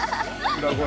◆裏声。